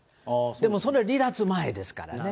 でもそれ、離脱前ですからね。